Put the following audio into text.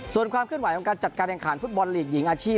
ส่วนความเคลื่อนไหวของการจัดการแข่งขันฟุตบอลลีกหญิงอาชีพ